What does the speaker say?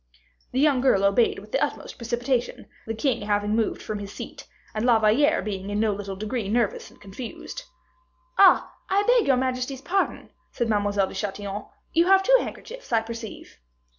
The young girl obeyed with the utmost precipitation, the king having moved from his seat, and La Valliere being in no little degree nervous and confused. "Ah! I beg your majesty's pardon," said Mademoiselle de Chatillon; "you have two handkerchiefs, I perceive."